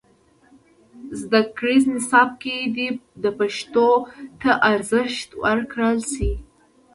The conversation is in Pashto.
زدهکړیز نصاب کې دې پښتو ته ارزښت ورکړل سي.